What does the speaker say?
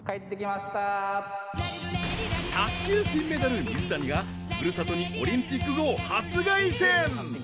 卓球金メダル水谷が故郷にオリンピック後、初凱旋。